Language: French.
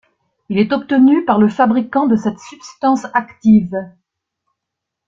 Il est obtenu par le fabricant de cette substance active.